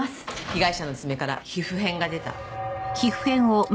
被害者の爪から皮膚片が出た。